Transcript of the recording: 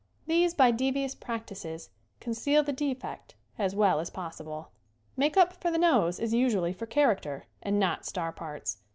These by devious practices conceal the defect as well as possible. Make up for the nose is usually for charac ter and not star parts.